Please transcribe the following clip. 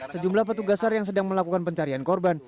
sejumlah petugasar yang sedang melakukan pencarian korban